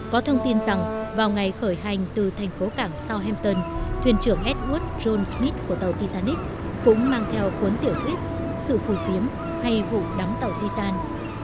có thông tin rằng vào ngày khởi hành từ thành phố cảng southampton thuyền trưởng edward john smith của tàu titanic cũng mang theo cuốn tiểu thuyết sự phùi phiếm hay vụ đắm tàu titan